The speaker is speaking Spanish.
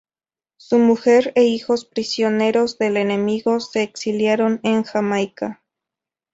Su mujer e hijos, prisioneros del enemigo, se exiliaron en Jamaica.